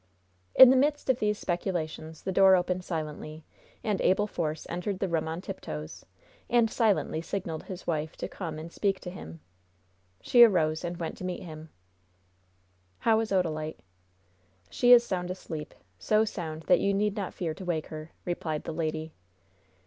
In the midst of these speculations, the door opened silently, and Abel Force entered the room on tiptoes, and silently signaled his wife to come and speak to him. She arose and went to meet him. "How is Odalite?" "She is sound asleep so sound that you need not fear to wake her," replied the lady.